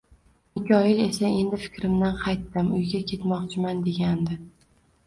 Mikoyil esa endi fikrimdan qaytdim, uyga ketmoqchiman degandi